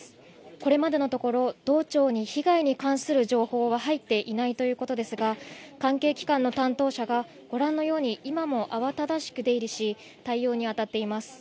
これまでのところ道庁に被害に関する情報は入っていないということですが、関係機関の担当者がご覧のように今も慌ただしく出入りし対応にあたっています。